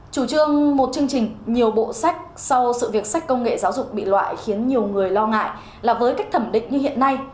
chủ trương một chương trình nhiều bộ sách sau sự việc sách công nghệ giáo dục bị loại khiến nhiều người lo ngại là với cách thẩm định như hiện nay